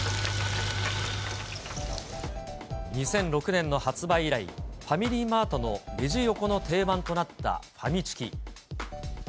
２００６年の発売以来、ファミリーマートのレジ横の定番となったファミチキ。